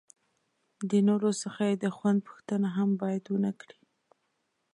د نورو څخه یې د خوند پوښتنه هم باید ونه کړي.